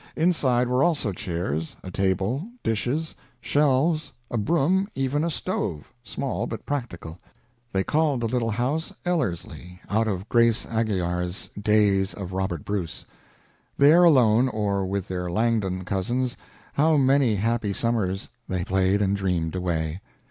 Inside were also chairs, a table, dishes, shelves, a broom, even a stove small, but practical. They called the little house "Ellerslie," out of Grace Aguilar's "Days of Robert Bruce." There alone, or with their Langdon cousins, how many happy summers they played and dreamed away.